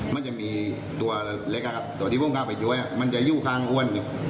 มันจะมีตัวเล็กตัวที่อ้วนเข้าไปช่วยมันจะอยู่ข้างอ้วน